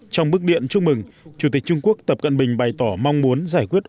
trong bức điện chúc mừng chủ tịch trung quốc tập cận bình bày tỏ mong muốn giải quyết